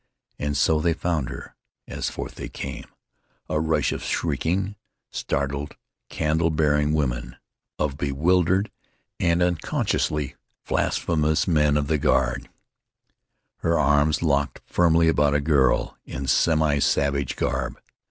And so they found her, as forth they came, a rush of shrieking, startled, candle bearing women, of bewildered and unconsciously blasphemous men of the guard her arms locked firmly about a girl in semi savage garb.